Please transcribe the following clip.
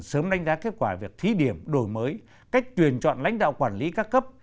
sớm đánh giá kết quả việc thí điểm đổi mới cách tuyển chọn lãnh đạo quản lý các cấp